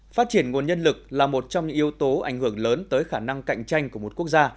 phát triển nguồn nhân lực là một trong những yếu tố ảnh hưởng lớn tới khả năng cạnh tranh của một quốc gia